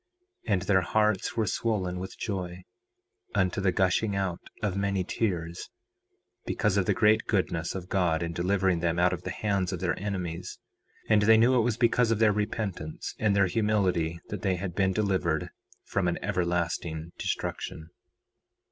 4:33 And their hearts were swollen with joy, unto the gushing out of many tears, because of the great goodness of God in delivering them out of the hands of their enemies; and they knew it was because of their repentance and their humility that they had been delivered from an everlasting destruction.